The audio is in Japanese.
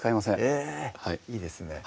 えぇいいですね